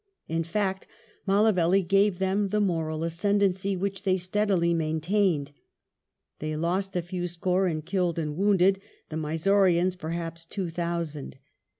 In fact Mallavelly gave them the moral ascendency which they steadily main tained. They lost a few score in killed and wounded ; the Mysoreans perhaps two thousand.